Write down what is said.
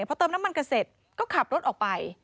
พอเติมน้ำมันเกษตรก็ขับรถออกไป